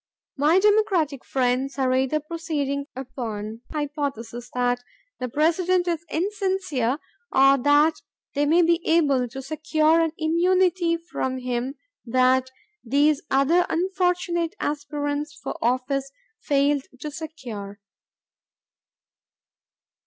... My Democratic friends are either proceeding upon the hypothesis that the President is insincere or that they may be able to secure an immunity from him that these other unfortunate aspirants for office failed to secure."